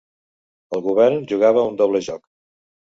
El Govern jugava un doble joc